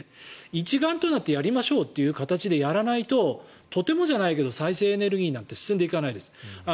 一丸となってやりましょうという形でやらないととてもじゃないけど再生エネルギーなんて進んでいかないです。